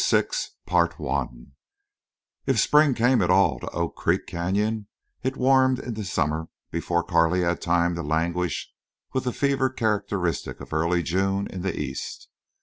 CHAPTER VI If spring came at all to Oak Creek Canyon it warmed into summer before Carley had time to languish with the fever characteristic of early June in the East.